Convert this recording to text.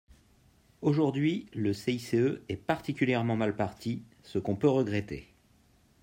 Aujourd’hui, le CICE est particulièrement mal parti, ce qu’on peut regretter.